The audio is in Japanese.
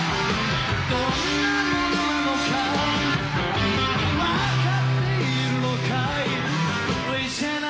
「どんなものなのか」